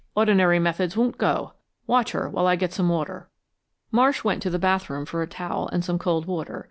"Ordinary methods won't go. Watch her while I get some water." Marsh went to the bathroom for a towel and some cold water.